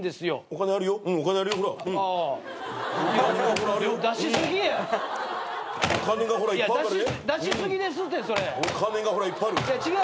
お金がほらいっぱいある。